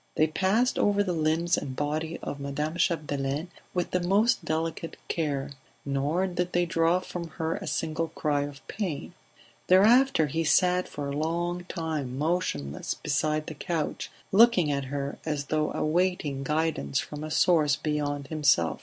They passed over the limbs and body of Madame Chapdelaine with the most delicate care, nor did they draw from her a single cry of pain; thereafter he sat for a long time motionless beside the couch, looking at her as though awaiting guidance from a source beyond himself.